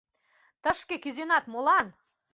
Тышке кӱзенат молан?